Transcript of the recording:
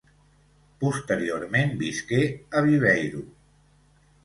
Posteriorment visqué a Viveiro.